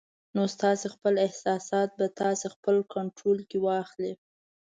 نو ستاسې خپل احساسات به تاسې خپل کنټرول کې واخلي